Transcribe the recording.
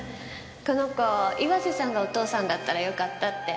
この子岩瀬さんがお父さんだったらよかったって。